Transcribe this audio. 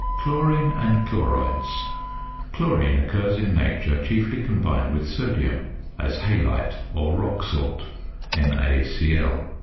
CHLORINE AND CHLORIDES. Chlorine occurs in nature chiefly combined with sodium, as halite or rock salt (NaCl).